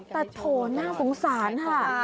แต่โถน่าสงสารค่ะ